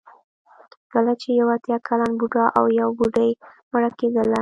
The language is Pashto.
کله چې یو اتیا کلن بوډا او یا بوډۍ مړه کېدله.